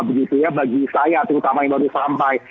begitu ya bagi saya terutama yang baru sampai